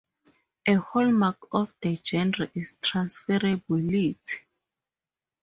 A hallmark of the genre is transferability.